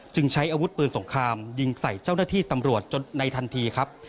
ใช้อาวุธปืนสงครามยิงใส่เจ้าหน้าที่ตำรวจจนในทันทีครับ